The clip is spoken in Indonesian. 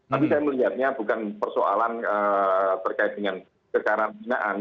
tapi saya melihatnya bukan persoalan berkait dengan kekarantinaan